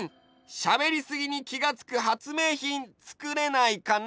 しゃべりすぎにきがつくはつめいひんつくれないかな？